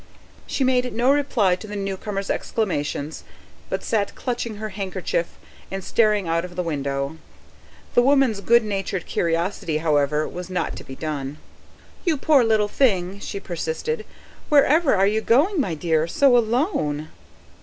She made no reply to the newcomer's exclamations, but sat clutching her handkerchief and staring out of the window. The woman's good natured curiosity, however, was not to be done. "You poor little thing, you!" she persisted. "Wherever are you goin', my dear, so alone?"